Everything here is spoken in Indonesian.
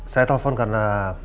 saya telfon karena